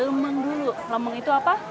lemeng itu apa